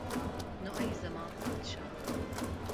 نو ای زما پادشاه.